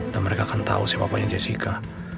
dan mereka akan tau siapapanya jessica